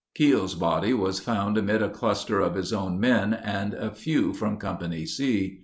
Keogh's body was found amid a cluster of his own men and a few from Company C.